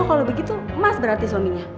oh kalo begitu mas berarti suaminya